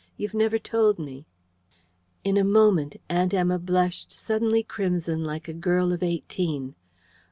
You've never told me." In a moment, Aunt Emma blushed suddenly crimson like a girl of eighteen.